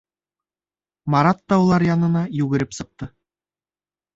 Марат та улар янына йүгереп сыҡты.